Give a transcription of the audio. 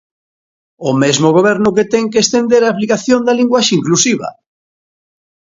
¡O mesmo Goberno que ten que estender a aplicación da linguaxe inclusiva!